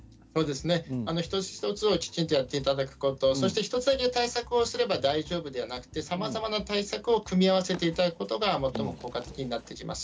一つ一つをきちんとやっていただくことそして１つだけ対策をすれば大丈夫ではなくてさまざまな対策を組み合わせていただくことが最も効果的になってきます。